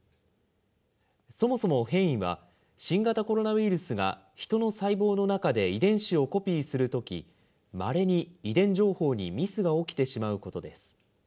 そもそも変異は、新型コロナウイルスがヒトの細胞の中で遺伝子をコピーするとき、まれに遺伝情報にミスが起きてしまうことです。